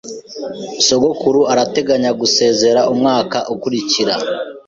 Sogokuru arateganya gusezera umwaka ukurikira.